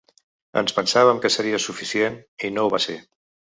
Ens pensàvem que seria suficient, i no ho va ser.